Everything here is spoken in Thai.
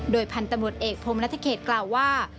พันธุ์ตำรวจเอกพรมนัฐเขตกล่าวว่า